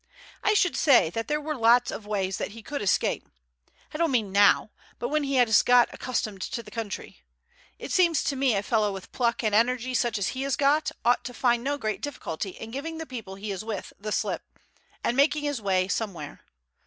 I should say that there were lots of ways that he could escape. I don't mean now; but when he has got accustomed to the country, it seems to me a fellow with pluck and energy such as he has got ought to find no great difficulty in giving the people he is with the slip, and making his way somewhere.